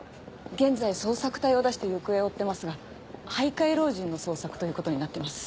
現在捜索隊を出して行方を追ってますが徘徊老人の捜索ということになってます。